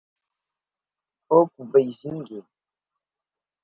oppo, beijing